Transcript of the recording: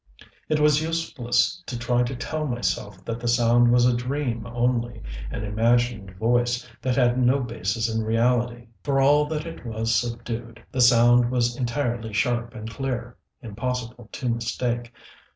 It was useless to try to tell myself that the sound was a dream only, an imagined voice that had no basis in reality. For all that it was subdued, the sound was entirely sharp and clear, impossible to mistake.